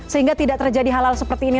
sehingga tidak terjadi hal hal seperti ini